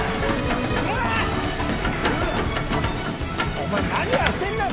お前何やってんだよ！